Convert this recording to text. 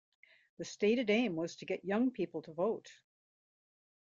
The stated aim was to get young people to vote.